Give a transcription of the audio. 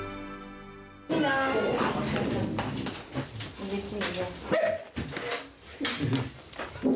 うれしいね。